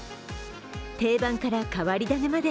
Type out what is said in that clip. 定番から変わり種まで